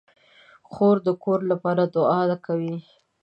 خور د کور لپاره دعا کوي.